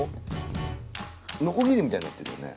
ノコギリみたいになってるよね